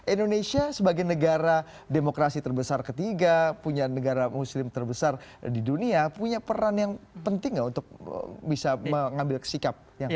indonesia sebagai negara demokrasi terbesar ketiga punya negara muslim terbesar di dunia punya peran yang penting nggak untuk bisa mengambil sikap